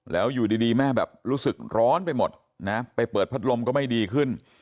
แล้วอยู่ดีแม่แบบรู้สึกร้อนไปหมดนะไปเปิดพัดลมก็ไม่ดีขึ้น